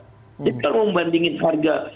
jadi kalau membandingin harga